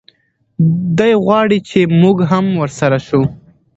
دی غواړي چې موږ هم ورسره شو.